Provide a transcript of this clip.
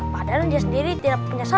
padahal dia sendiri tidak punya salah